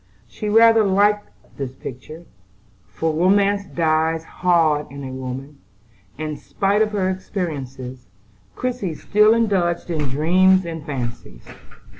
She rather liked this picture; for romance dies hard in a woman, and, spite of her experiences, Christie still indulged in dreams and fancies.